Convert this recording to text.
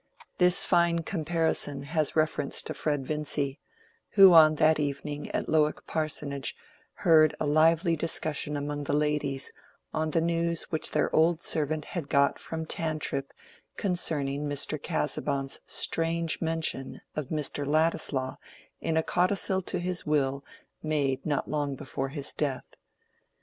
This fine comparison has reference to Fred Vincy, who on that evening at Lowick Parsonage heard a lively discussion among the ladies on the news which their old servant had got from Tantripp concerning Mr. Casaubon's strange mention of Mr. Ladislaw in a codicil to his will made not long before his death.